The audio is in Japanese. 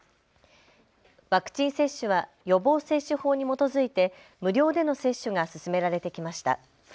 ワクチン接種は予防接種法に基づいて無料での接種が進められてきました。